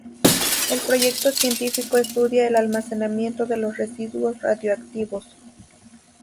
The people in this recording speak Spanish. El proyecto científico estudia el almacenamiento de los residuos radioactivos.